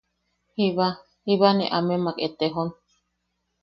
Jiba; jiba ne amemak etejon.